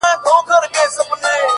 د غلا په جرم به باچاصاحب محترم نيسې-